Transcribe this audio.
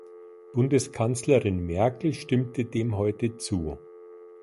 Bundeskanzlerin Merkel stimmte dem heute zu.